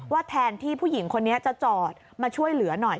แทนที่ผู้หญิงคนนี้จะจอดมาช่วยเหลือหน่อย